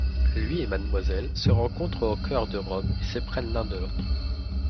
Lui et Mademoiselle se rencontrent au cœur de Rome et s'éprennent l'un de l'autre.